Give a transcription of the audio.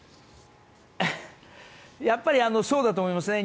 やっぱりそうだと思いますね。